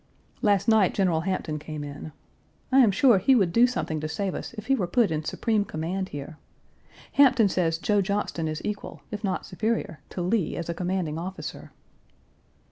Last night General Hampton came in. I am sure he would do something to save us if he were put in supreme command here. Hampton says Joe Johnston is equal, if not superior, to Lee as a commanding officer.